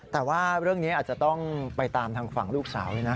แต่ว่าเรื่องนี้อาจจะต้องไปตามทางฝั่งลูกสาวด้วยนะ